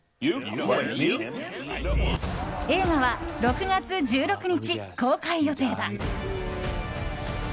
映画は６月１６日公開予定だ。